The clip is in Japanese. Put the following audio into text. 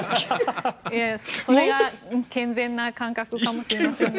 それが健全な感覚かもしれませんが。